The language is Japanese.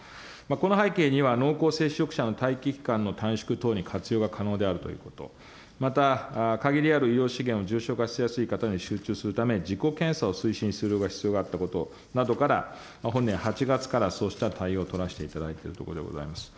この背景には、濃厚接触者の待機期間の短縮等に活用が可能であるということ、また、限りある医療資源を重症化しやすい方に集中するため、自己検査を推進する必要があったことなどから、本年８月からそうした対応を取らせていただいているところでございます。